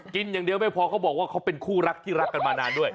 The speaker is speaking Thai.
กินอย่างเดียวไม่พอเขาบอกว่าเขาเป็นคู่รักที่รักกันมานานด้วย